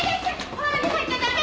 ホールに入っちゃダメ！